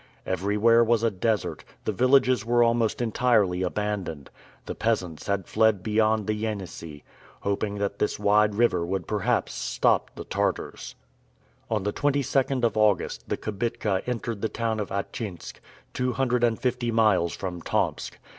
Everywhere was a desert; the villages were almost entirely abandoned. The peasants had fled beyond the Yenisei, hoping that this wide river would perhaps stop the Tartars. On the 22d of August, the kibitka entered the town of Atchinsk, two hundred and fifty miles from Tomsk.